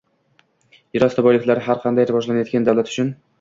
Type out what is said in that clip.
yer osti boyliklari har qanday rivojlanayotgan davlat uchun